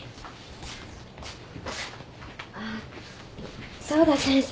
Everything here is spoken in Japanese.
あっそうだ先生。